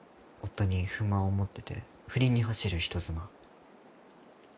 夫に不満を持ってて不倫に走る人妻。